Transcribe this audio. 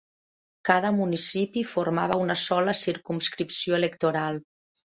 Cada municipi formava una sola circumscripció electoral.